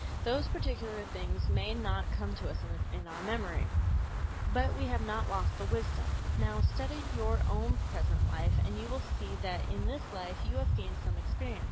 Those particular things may not come to us in our memory, but we have not lost the wisdom. Now, study your own present life and you will see that in this life you have gained some experience.